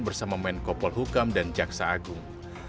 bersama menkopol kukam dan jaksa agung